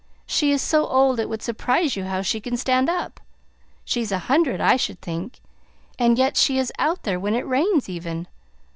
She is so old it would surprise you how she can stand up. She's a hundred, I should think, and yet she is out there when it rains, even.